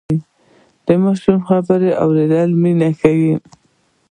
د ماشوم خبرې اورېدل مینه ښيي.